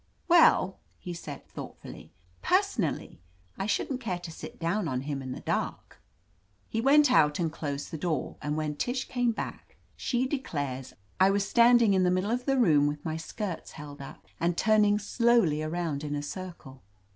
Well," he said thoughtfully, "personally, I shouldn't care to sit down on him in the dark." He went out and dosed the door, and when Tish came back, she declares I was standing in the middle of the room with my skirts held up, and turning slowly around in a circle.